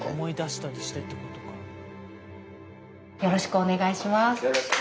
よろしくお願いします。